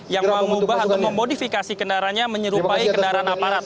yang mengubah atau memodifikasi kendaraannya menyerupai kendaraan aparat